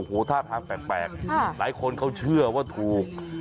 โอ้โหท่าทางแปลกหลายคนเขาเชื่อว่าถูก